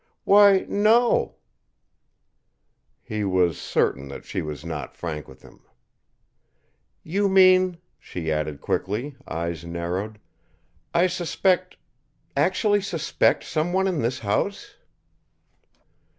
"Why, no!" He was certain that she was not frank with him. "You mean," she added quickly, eyes narrowed, "I suspect actually suspect some one in this house?"